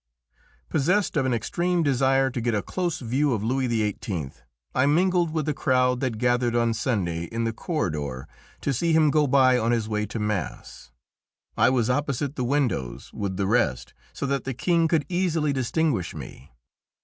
Possessed of an extreme desire to get a close view of Louis XVIII., I mingled with the crowd that gathered on Sunday in the corridor to see him go by on his way to mass. I was opposite the windows, with the rest, so that the King could easily distinguish me.